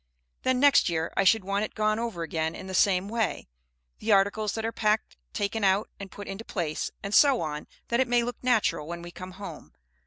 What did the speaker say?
Then next year I should want it gone over again in the same way, the articles that are packed taken out and put into place, and so on, that it may look natural when we come home.